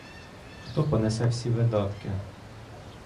Хто понесе всі видатки?